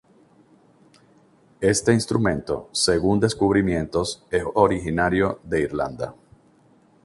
Éste instrumento, según descubrimientos, es originario de Irlanda.